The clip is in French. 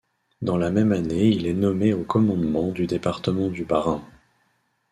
Dans la même année il est nommé au commandement du département du Bas-Rhin.